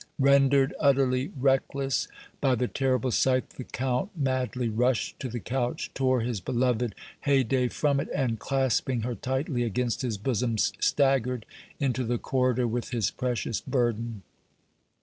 Rendered utterly reckless by the terrible sight, the Count madly rushed to the couch, tore his beloved Haydée from it, and, clasping her tightly against his bosom, staggered into the corridor with his precious burden.